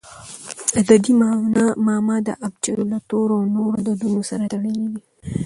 عددي معما د ابجد له تورو او نورو عددونو سره تړلي دي.